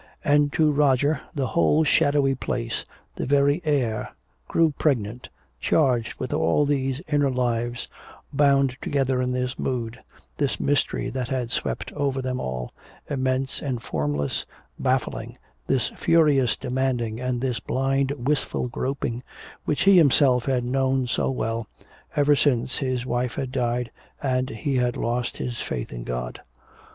And to Roger the whole shadowy place, the very air, grew pregnant, charged with all these inner lives bound together in this mood, this mystery that had swept over them all, immense and formless, baffling, this furious demanding and this blind wistful groping which he himself had known so well, ever since his wife had died and he had lost his faith in God.